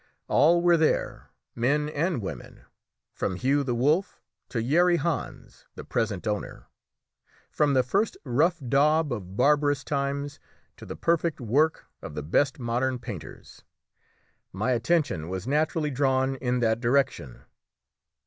All were there, men and women; from Hugh the Wolf to Yeri Hans, the present owner; from the first rough daub of barbarous times to the perfect work of the best modern painters. My attention was naturally drawn in that direction.